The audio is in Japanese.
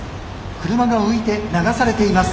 車が浮いて流されています。